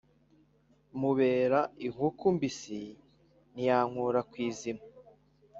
mubera inkuku mbisi ntiyankura ku izima